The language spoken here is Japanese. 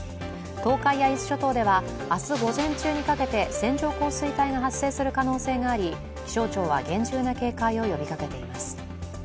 東海や伊豆諸島であ明日午前中にかけて線状降水帯が発生する可能性があり気象庁は厳重な警戒を呼びかけています。